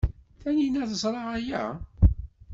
Taninna teẓra aya?